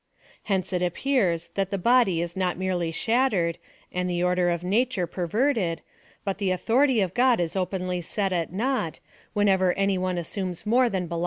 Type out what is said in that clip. Hence it appears that the body is not merely shattered, and the order of nature perverted, but the authority of God is openly set at nought, whenever any one assumes more than belongs to him."